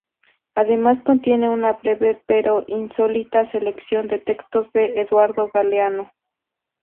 Además contiene una breve pero insólita selección de textos de Eduardo Galeano.